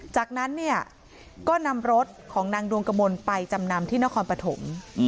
จากนั้นเนี่ยก็นำรถของนางดวงกมลไปจำนำที่นครปฐม